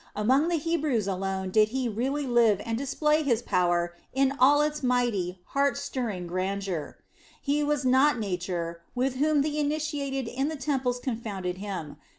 Among the Hebrews alone did He really live and display His power in all its mighty, heart stirring grandeur. He was not nature, with whom the initiated in the temples confounded Him.